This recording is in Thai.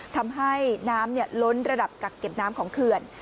ทำให้น้ำล้นระดับกักเก็บน้ำของเขื่อน